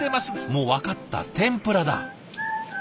もう分かった天ぷらだ。